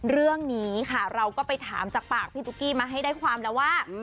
เรื่องนี้ค่ะเราก็ไปถามจากปากพี่ตุ๊กกี้มาให้ได้ความแล้วว่า